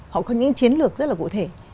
họ có những chiến lược rất là cụ thể